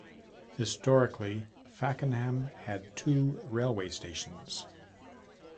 Historically, Fakenham had two railway stations.